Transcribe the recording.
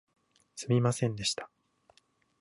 すみませんでした